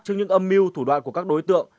trước những âm mưu thủ đoạn của các đối tượng